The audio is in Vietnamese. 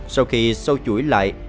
sau khi sâu chuỗi lại